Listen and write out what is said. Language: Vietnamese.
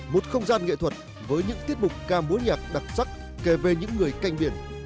một không gian nghệ thuật với những tiết mục ca mối nhạc đặc sắc kể về những người canh biển